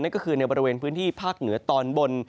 ก็คือในบริเวณพื้นที่ภาคเหนือตอนบน